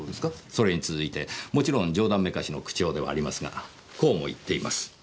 それに続いてもちろん冗談めかしの口調ではありますがこうも言っています。